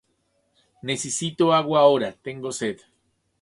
Nessicito agua ahora. Tengo sed.